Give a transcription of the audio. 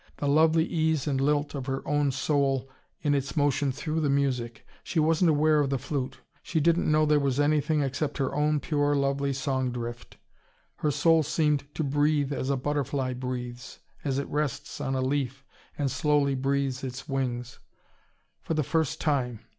The lovely ease and lilt of her own soul in its motion through the music! She wasn't aware of the flute. She didn't know there was anything except her own pure lovely song drift. Her soul seemed to breathe as a butterfly breathes, as it rests on a leaf and slowly breathes its wings. For the first time!